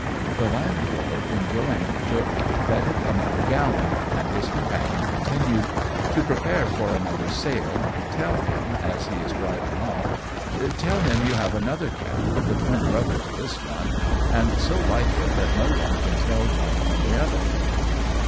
The landlord, enjoying the joke, betted another gallon, and his companion continued, "To prepare for another sale, tell him, as he is driving off tell him you have another calf, the twin brother to this one, and so like it that no one can tell one from the other."